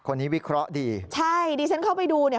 คนนี้วิเคราะห์ดีใช่ดิเซ็นต์เข้าไปดูเนี่ย